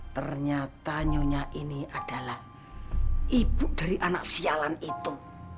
ternyata nyonya ini adalah ibu dari anak sialan itu